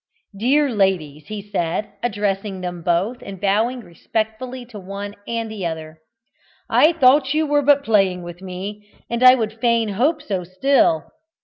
"Dear ladies!" he said, addressing them both, and bowing respectfully to one and the other, "I thought you were but playing with me, and I would fain hope so still.